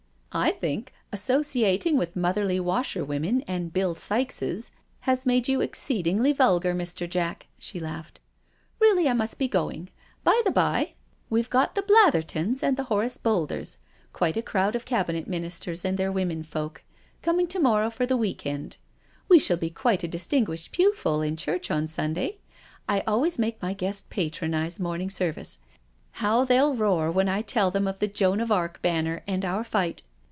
" I think associating with motherly washerwomen and Bill Sikeses has made you exceedingly vulgar, Mr. Jack," she laughed. " Really, I must be going. Bye the bye, we've got the Blathertons and the Horace Boulders— quite a crowd of Cabinet Ministers and their women folk, coming to morrow for the week end. We shall be quite a distinguished pew full in church on Sunday — I always make my guests patronise morning service. How they'll roar when I tell them of the Joan of Arc banner and our fight.